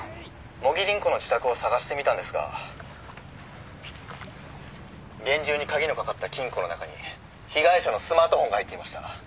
「茂木凛子の自宅を捜してみたんですが厳重に鍵のかかった金庫の中に被害者のスマートフォンが入っていました」